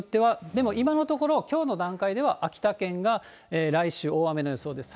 でも今のところ、きょうの段階では秋田県が来週、大雨の予想です。